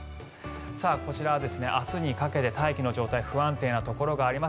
こちらは明日にかけて大気の状態が不安定なところがあります。